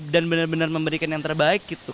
dan benar benar memberikan yang terbaik gitu